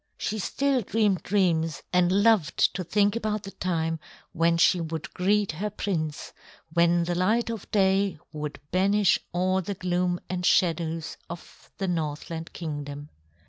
She still dreamed dreams and loved to think about the time when she would greet her prince; when the light of day would banish all the gloom and shadows of the Northland Kingdom.